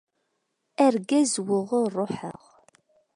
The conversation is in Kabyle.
Argaz wuɣur ṛuḥeɣ.